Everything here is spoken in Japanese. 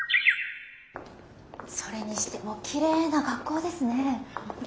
それにしてもきれいな学校ですね。